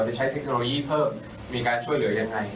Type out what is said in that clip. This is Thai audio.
ใช้เทคโนโลยีเพิ่มมีการช่วยเหลือยังไง